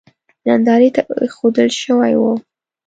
نندارې ته اېښودل شوی و.